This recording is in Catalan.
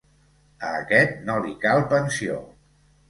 A aquest no li cal pensió.